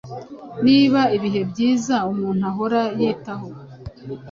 Niba ibihe byiza umuntu ahora yitayeho